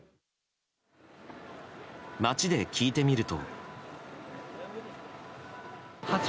街で聞いてみると。